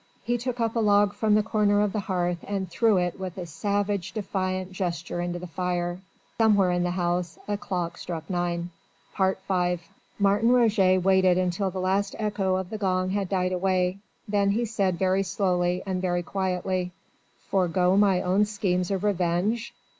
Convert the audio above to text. He took up a log from the corner of the hearth and threw it with a savage, defiant gesture into the fire. Somewhere in the house a clock struck nine. V Martin Roget waited until the last echo of the gong had died away, then he said very slowly and very quietly: "Forgo my own schemes of revenge?